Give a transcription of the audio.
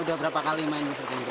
udah berapa kali main